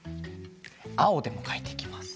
あおでもかいていきます。